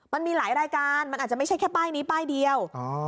มันมีหลายรายการมันอาจจะไม่ใช่แค่ป้ายนี้ป้ายเดียว